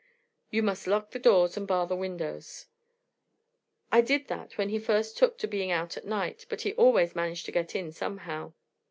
"You must lock the doors and bar the windows." "I did that when he first took to being out at night, but he always managed to get in somehow."